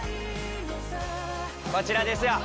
こちらですよ。